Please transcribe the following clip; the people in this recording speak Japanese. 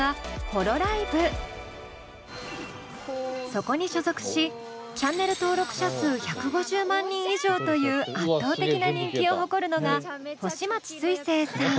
そこに所属しチャンネル登録者数１５０万人以上という圧倒的な人気を誇るのが星街すいせいさん。